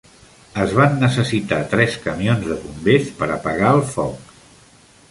Es van necessitar tres camions de bombers per apagar el foc.